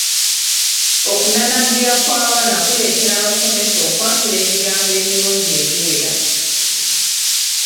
Okunanaanagira kw’abaana kuleetera abasomesa okwatula ebigambo emirundi egiwera.